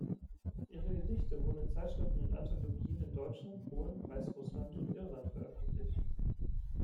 Ihre Gedichte wurden in Zeitschriften und Anthologien in Deutschland, Polen, Weißrussland und Irland veröffentlicht.